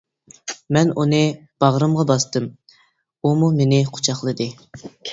مەن ئۇنى باغرىمغا باستىم، ئۇمۇ مېنى قۇچاقلىدى.